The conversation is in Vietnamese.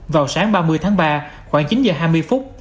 vào sáng ba mươi tháng ba khoảng chín giờ hai mươi phút